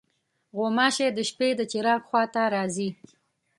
غوماشې د شپې د چراغ خوا ته راځي.